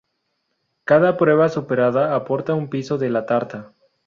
Cada prueba superada aportaba un piso de la tarta.